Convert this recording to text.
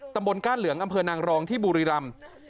ตำบลก้านเหลืองอำเภอนางรองที่บุรีรัมค์